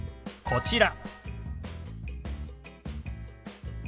こちら。